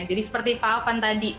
jadi seperti pak afan tadi